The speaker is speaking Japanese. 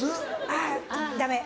あぁダメ。